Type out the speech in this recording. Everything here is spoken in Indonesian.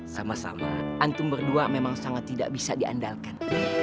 sama sama antum berdua memang sangat tidak bisa diandalkan